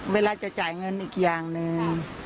เวลาจะจ่ายเงินอีกอย่างหนึ่ง